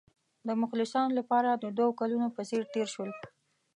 د مخلصانو لپاره د دوو کلونو په څېر تېر شول.